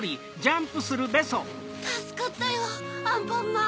たすかったよアンパンマン。